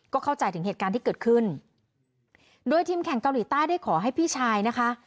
เข้าใจถึงเหตุการณ์ที่เกิดขึ้นโดยทีมแข่งเกาหลีใต้ได้ขอให้พี่ชายนะคะ